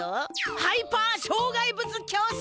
ハイパー障害物競走じゃ。